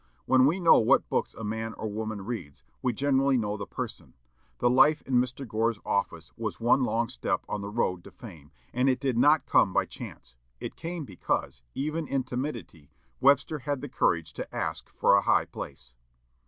When we know what books a man or woman reads, we generally know the person. The life in Mr. Gore's office was one long step on the road to fame, and it did not come by chance; it came because, even in timidity, Webster had the courage to ask for a high place.